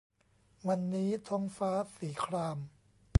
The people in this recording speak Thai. วันนี้ท้องฟ้าสีคราม